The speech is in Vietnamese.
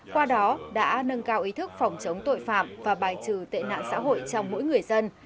qua đó đã nâng cao ý thức phòng chống tội phạm và bài trừ tệ nạn xã hội trong mỗi người dân